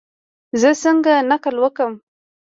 زه څنګه نقل وکم؟